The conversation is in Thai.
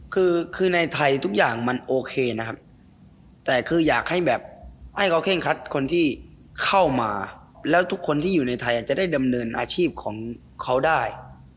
คือคือในไทยทุกอย่างมันโอเคนะครับแต่คืออยากให้แบบให้เขาเคร่งคัดคนที่เข้ามาแล้วทุกคนที่อยู่ในไทยจะได้ดำเนินอาชีพของเขาได้